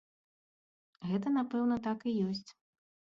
Гэта, напэўна, так і ёсць.